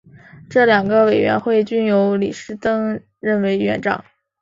这两个委员会均由李石曾任委员长。